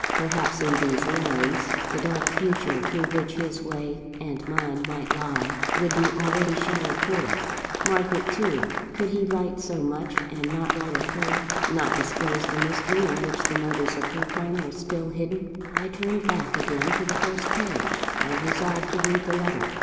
Perhaps, in these lines, the dark future through which his way and mine might lie, would be already shadowed forth. Margaret too! Could he write so much, and not write of her? not disclose the mystery in which the motives of her crime were still hidden? I turned back again to the first page, and resolved to read the letter.